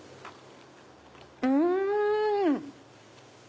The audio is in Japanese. うん！